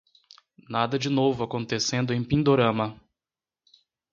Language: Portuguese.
Nada de novo acontecendo em Pindorama